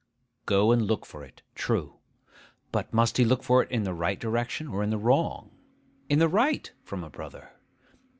Go and look for it, true. But must he look for it in the right direction, or in the wrong? ('In the right,' from a brother.)